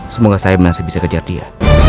semoga saya masih bisa kejar dia